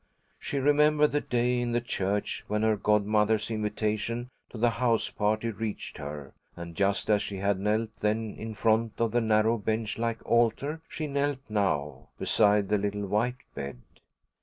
She remembered the day in the church when her godmother's invitation to the house party reached her, and just as she had knelt then in front of the narrow, bench like altar, she knelt now, beside the little white bed.